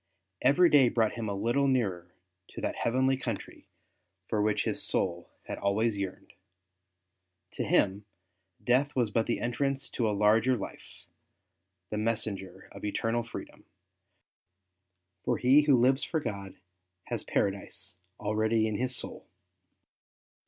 Every day brought him a little nearer to that heavenly country for which his soul had alvv^ays yearned. To him death was but the entrance to a larger life, the messenger of eternal freedom, for he who lives for God has Paradise already in his soul.